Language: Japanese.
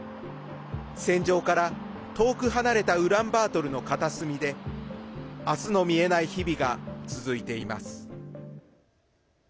戦場から遠く離れたウランバートルの片隅で明日の見えない日々が続いています。